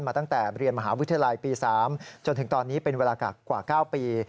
ตั้งแต่เรียนมหาวิทยาลัยปี๓จนถึงตอนนี้เป็นเวลากักกว่า๙ปี